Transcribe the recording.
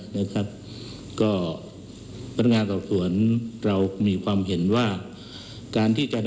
ในการนำเนินคดีกันท่านโปรแกจุดที่